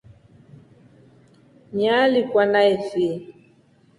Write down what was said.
Nyaalikwa na fii.